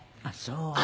あっそう。